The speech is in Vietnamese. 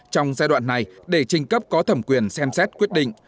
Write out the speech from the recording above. trong giai đoạn này để trình cấp có thẩm quyền xem xét quyết định